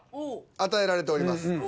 与えられております。